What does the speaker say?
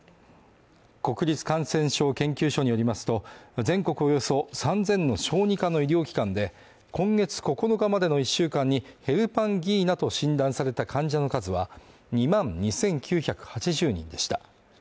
国立感染症研究所によりますと、全国およそ３０００の小児科の医療機関で今月９日までの１週間にヘルパンギーナと診断された患者の数は、２万２９８０人でした。